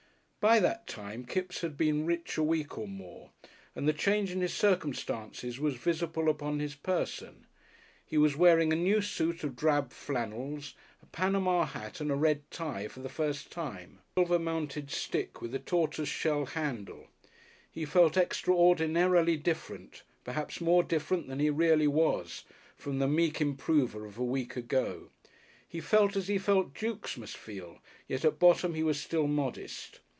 By that time Kipps had been rich a week or more, and the change in his circumstances was visible upon his person. He was wearing a new suit of drab flannels, a Panama hat and a red tie for the first time, and he carried a silver mounted stick with a tortoise shell handle. He felt extraordinarily different, perhaps more different than he really was, from the meek Improver of a week ago. He felt as he felt Dukes must feel, yet at bottom he was still modest.